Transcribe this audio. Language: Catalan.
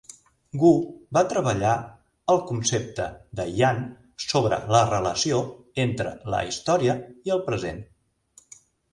Wu va treballar el concepte de Yan sobre la relació entre la història i el present.